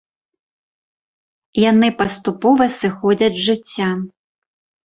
Яны паступова сыходзяць з жыцця.